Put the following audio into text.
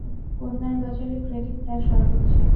কন্যার বাজারে ক্রেডিট তার সর্বোচ্চে।